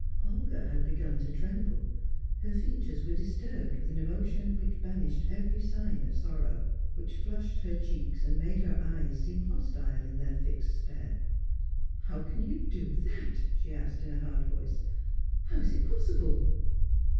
Olga had begun to tremble. Her features were disturbed with an emotion which banished every sign of sorrow; which flushed her cheeks and made her eyes seem hostile in their fixed stare. "How can you do that?" she asked, in a hard voice "How is it possible?"